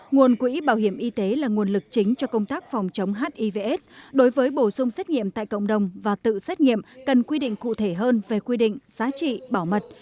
nguồn quỹ bảo hiểm y tế là nguồn lực chính cho công tác phòng chống hivs đối với bổ sung xét nghiệm tại cộng đồng và tự xét nghiệm cần quy định cụ thể hơn về quy định giá trị bảo mật